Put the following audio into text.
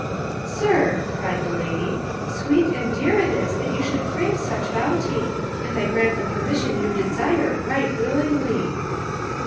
"Sir," cried the lady, "sweet and dear it is that you should crave such bounty, and I grant the permission you desire right willingly."